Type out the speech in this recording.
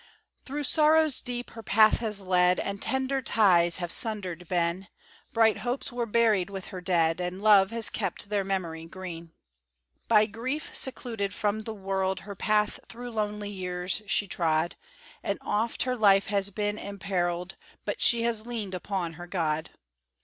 Through sorrows deep her path has led, And tender ties have sundered been; Bright hopes were buried with her dead, And love has kept their memory green. By grief secluded from the world, Her path through lonely years she trod, And oft her life has been imperilled; But she has leaned upon her God.